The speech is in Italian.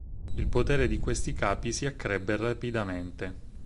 Il potere di questi capi si accrebbe rapidamente.